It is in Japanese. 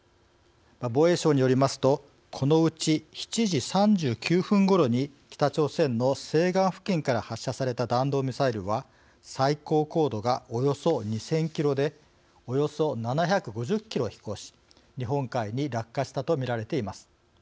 防衛省によりますとこのうち７時３９分ごろに北朝鮮の西岸付近から発射された弾道ミサイルは最高高度がおよそ２，０００キロでおよそ７５０キロ飛行し日本海に落下したと見られています。